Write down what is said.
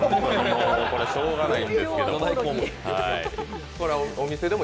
これしようがないんですけども。